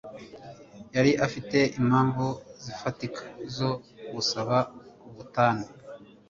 Yari afite impamvu zifatika zo gusaba ubutane.